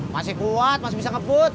masih kuat masih bisa keput